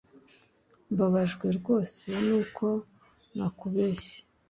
mbabajwe rwose nuko nakubeshye